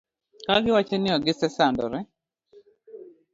ka giwacho ni ok gisekendore.